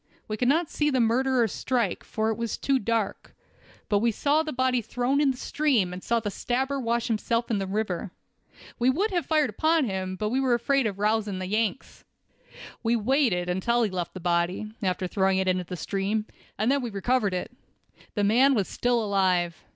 We could not see the murderer strike, for it was too dark; but we saw the body thrown in the stream, and saw the stabber wash himself in the river. We would have fired upon him, but were afraid of rousing the Yanks. We waited until he left the body, after throwing it into the stream, and then we recovered it. The man was still alive.